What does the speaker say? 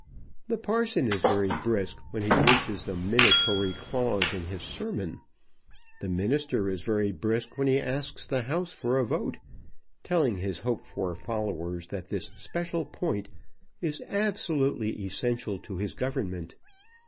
The parson is very brisk when he reaches the minatory clause in his sermon. The minister is very brisk when he asks the House for a vote, telling his hoped for followers that this special point is absolutely essential to his government.